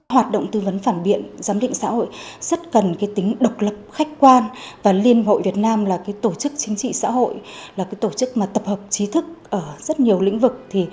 hoạt động tư vấn phản biện giám định xã hội rất cần tính độc lập khách quan và liên hội việt nam là tổ chức chính trị xã hội là tổ chức tập hợp trí thức ở rất nhiều lĩnh vực